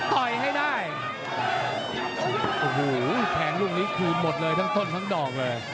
ต่อยให้ได้โอ้โหแทงลูกนี้คืนหมดเลยทั้งต้นทั้งดอกเลย